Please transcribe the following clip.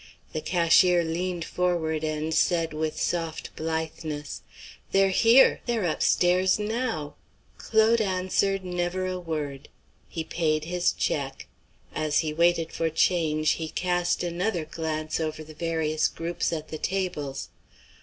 The cashier leaned forward and said with soft blitheness: "They're here. They're up stairs now." Claude answered never a word. He paid his check. As he waited for change, he cast another glance over the various groups at the tables.